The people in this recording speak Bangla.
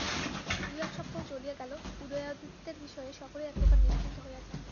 দুই এক সপ্তাহ চলিয়া গেল, উদয়াদিত্যের বিষয়ে সকলেই এক প্রকার নিশ্চিন্ত হইয়াছেন।